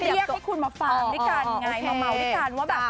เคยเรียกให้คุณมาฟังด้วยกันง่ายมาเมาด้วยกัน